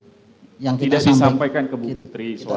tidak disampaikan ke ibu putri soal itu